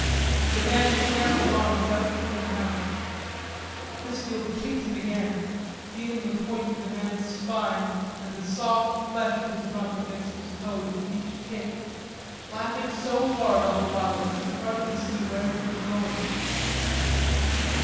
The man shambled on without turning round. Chrisfield kicked him again, feeling the point of the man's spine and the soft flesh of his rump against his toes with each kick, laughing so hard all the while that he could hardly see where he was going.